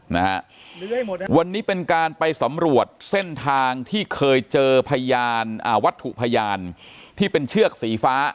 นะฮะวันนี้เป็นการไปสำรวจเส้นทางที่เคยเจอพยานอ่าวัตถุพยานที่เป็นเชือกสีฟ้า